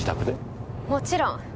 もちろん。